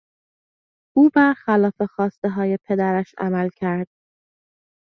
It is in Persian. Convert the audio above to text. او برخلاف خواستههای پدرش عمل کرد.